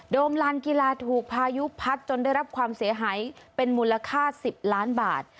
ลานกีฬาถูกพายุพัดจนได้รับความเสียหายเป็นมูลค่า๑๐ล้านบาท